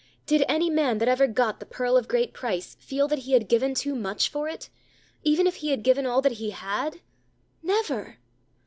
Did any man that ever got the Pearl of great price feel that he had given too much for it, even if he had given all that he had? _Never!